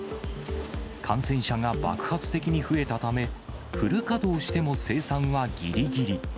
感染者が爆発的に増えたため、フル稼働しても生産はぎりぎり。